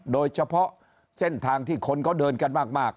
โดยเฉพาะเส้นทางที่คนเขาเดินกันมาก